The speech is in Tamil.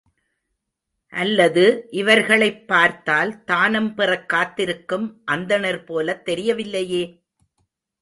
அல்லது, இவர்களைப் பார்த்தால் தானம் பெறக் காத்திருக்கும் அந்தணர் போலத் தெரியவில்லையே?